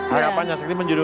harapannya seperti menjudul